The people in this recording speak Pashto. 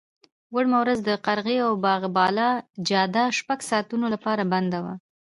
وړمه ورځ د قرغې او باغ بالا جاده شپږو ساعتونو لپاره بنده وه.